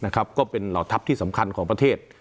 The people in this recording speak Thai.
ก็เป็นเหล่าทัพที่สำคัญของประเทศ